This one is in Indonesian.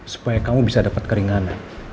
supaya kamu bisa dapat keringanan